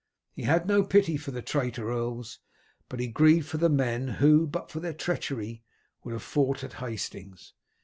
He had no pity for the traitor earls, but he grieved for the men who, but for their treachery, would have fought at Hastings.